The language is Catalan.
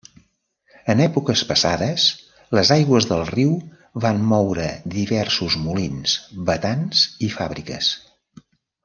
En èpoques passades, les aigües del riu van moure diversos molins, batans i fàbriques.